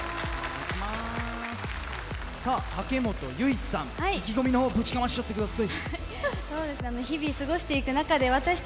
武元唯衣さん、意気込みの方をぶちかましちゃってください。